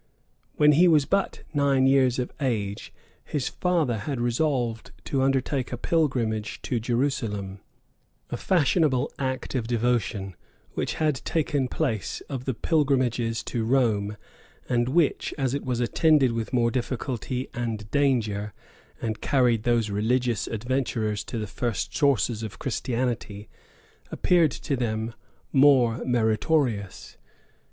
[ Brompton, p. 910.] While he was but nine years of age, his father had resolved to undertake a pilgrimage to Jerusalem; a fashionable act of devotion, which had taken place of the pilgrimages to Rome, and which, as it was attended with more difficulty and danger, and carried those religious adventurers to the first sources of Christianity, appeared to them more meritorious.